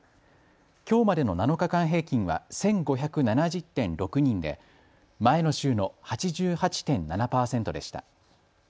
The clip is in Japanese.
きょうまでの７日間平均は１５７０．６人で前の週の８８．７％でした。